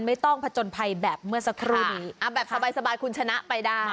ไม่ต้องผจญภัยแบบเมื่อสักครู่นี้แบบสบายสบายคุณชนะไปได้